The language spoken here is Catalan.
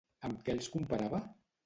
Amb què els comparava?